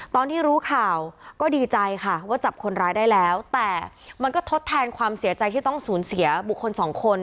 ตอนที่รู้ข่าวก็ดีใจค่ะว่าจับคนร้ายได้แล้วแต่มันก็ทดแทนความเสียใจที่ต้องสูญเสียบุคคลสองคน